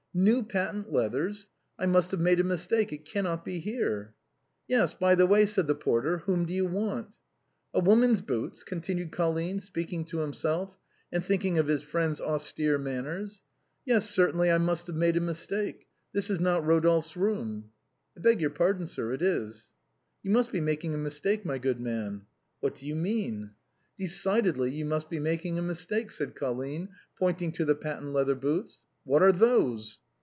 " New patent leathers ! I must have made a mistake; it cannot be here." " Yes ; by the way," said the porter, " whom do you want?" " A woman's boots !" continued Colline, speaking to himself, and thinking of his friend's austere manners; " yes, certainly I must have made a mistake. This is not Rodolphe's room." " I beg your pardon, sir, it is." " You must be making a mistake, my good man." " What do you mean ?"" Decidedly you must be making a mistake," said Col line, pointing to the patent leather boots. "What are those?"